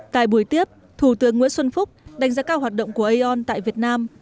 tại buổi tiếp thủ tướng nguyễn xuân phúc đánh giá cao hoạt động của aon tại việt nam